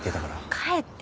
帰って。